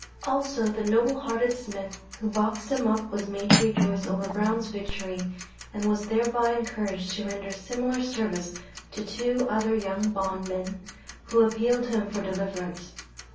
Also the noble hearted Smith who boxed him up was made to rejoice over Brown's victory, and was thereby encouraged to render similar service to two other young bondmen, who appealed to him for deliverance.